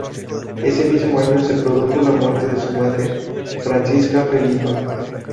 Ese mismo año se produjo la muerte de su madre, Francisca Felipa.